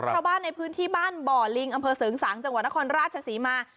ชาวบ้านในพื้นที่บ้านบ่อลิงอำเภอเสริงสางจังหวัดนครราชศรีมา